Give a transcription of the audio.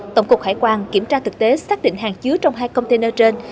tổng cục hải quan kiểm tra thực tế xác định hàng chứa trong hai container trên